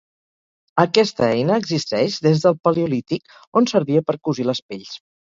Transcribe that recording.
Aquesta eina existeix des del paleolític on servia per cosir les pells.